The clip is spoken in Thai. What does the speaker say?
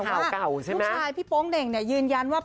ลูกชายพี่ป้องเด่งยืนยันว่า